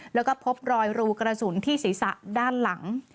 แล้วก็พบรอยรูกระสุนที่ศีรษะด้านหลัง